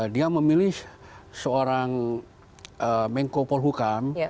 dia memilih seorang menko polhukam